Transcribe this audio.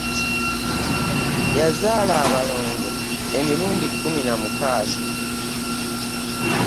Yazaala abalongo emirundi kkumi na mukaaga.